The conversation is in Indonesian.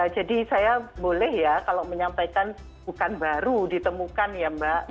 jadi saya boleh ya kalau menyampaikan bukan baru ditemukan ya mbak